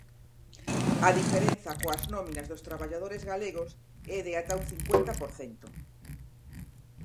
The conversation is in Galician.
A diferenza coas nóminas dos traballadores galegos é de ata un cincuenta por cento.